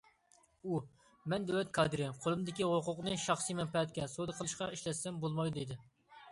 ئۇ: مەن دۆلەت كادىرى، قولۇمدىكى ھوقۇقنى شەخسىي مەنپەئەتكە، سودا قىلىشقا ئىشلەتسەم بولمايدۇ، دېدى.